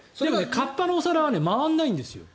河童のお皿は回らないんですよ。